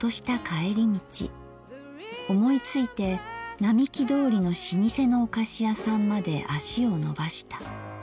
帰りみち思いついて並木通りの老舗のお菓子屋さんまで足をのばした。